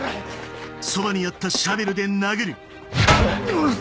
うっ！